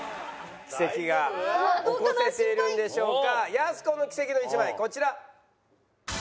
やす子の奇跡の１枚こちら。